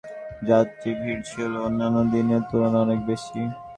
গতকাল লঞ্চঘাটে ঢাকামুখী যাত্রীদের ভিড় ছিল অন্যান্য দিনের তুলনায় অনেক বেশি।